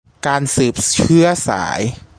การสืบเชื้อสาย